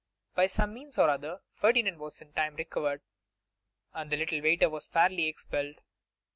By some means or other Ferdinand was in time recovered, and the little waiter was fairly expelled.